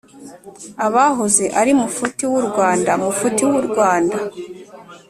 Abahoze ari Mufti w u Rwanda Mufti w u Rwanda